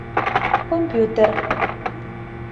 Компьютер.